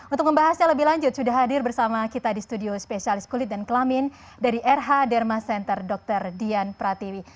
untuk membahasnya lebih lanjut sudah hadir bersama kita di studio spesialis kulit dan kelamin dari rh derma center dr dian pratiwi